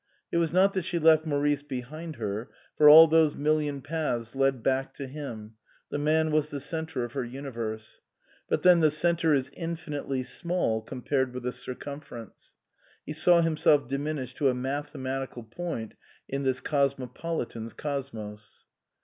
It was not that she left Maurice behind her, for all those million paths led back to him, the man was the centre of her universe ; but then the centre is infinitely small compared with the cir cumference. He saw himself diminished to a mathematical point in this cosmopolitan's cosmos.